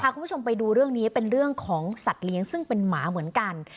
คุณผู้ชมไปดูเรื่องนี้เป็นเรื่องของสัตว์เลี้ยงซึ่งเป็นหมาเหมือนกัน